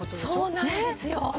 そうなんですよ。